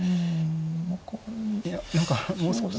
いや何かもう少し。